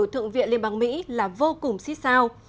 thượng viện liên bang mỹ là vô cùng xích sao